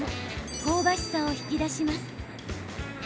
香ばしさを引き出します。